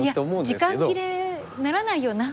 「時間切れならないよな？」